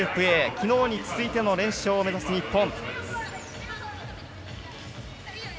昨日に続いての連勝を目指す日本。